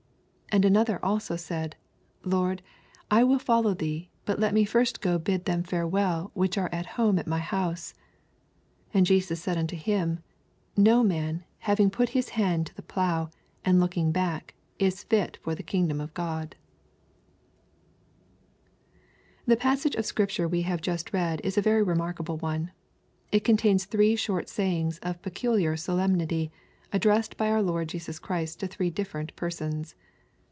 61 And anotner also said, Lord, I will follow thee : but let me first go bid them farewell, which are at home at my house. 62 And Jesus said unto him, No man, having put his hand to the ploug:h, and looking back, is fit for the kingdom of Go<L The passage of Scripture we have just read is a very remarkable one. It contains three short sayings of peculiar solemnity, addressed by our Lord Jesus Christ to three different persons.